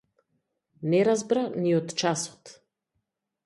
Не разбра ни од часот.